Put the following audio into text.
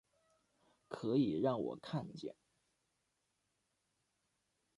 可以让我看见